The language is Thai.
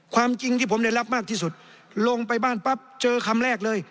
ความจริงที่ผมได้รับมากที่สุดลงไปบ้านปั๊บเจอคำแรกเลย